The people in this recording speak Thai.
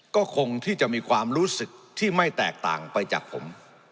ก็คงที่จะมีความรู้สึกที่ไม่แตกต่างไปจากผม